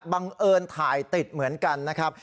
บังเอิญถ่ายติดเหมือนกันนะครับ